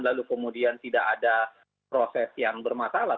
lalu kemudian tidak ada proses yang bermasalah